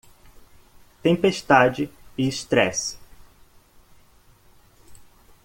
Tempestade e estresse.